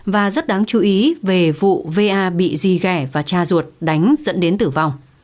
và rất đáng chú ý về vụ va bị dì ghẻ và cha ruột đánh dẫn đến tử vong